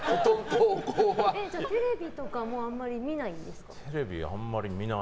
テレビとかもあんまり見ないんですか？